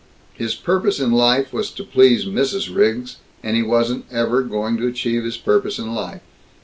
His purpose in life was to please Mrs. Riggs, and he wasn't ever going to achieve his purpose in life.